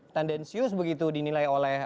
tendensius begitu dinilai oleh